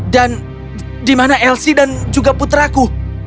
dan dimana elsie dan juga putraku